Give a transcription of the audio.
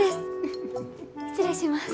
失礼します。